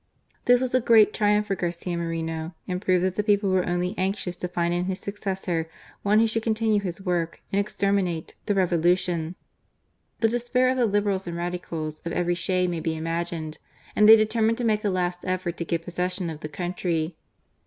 This was a great triumph for Garcia Moreno, and proved that the people were only anxious to find in his successor one who should continue his work and exterminate the Revolution. The despair of the Liberals and Radicals of every shade may be imagined, and they determined to make a last effort to get possession of the country.